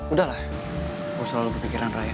udah lah gue selalu kepikiran raya